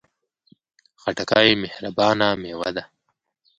خټکی مهربانه میوه ده.